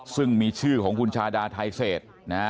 ซึ่งมีชื่อของคุณชาดาไทเซศ